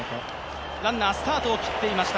ランナースタートを切っていました。